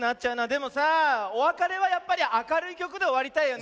でもさあおわかれはやっぱりあかるいきょくでおわりたいよね。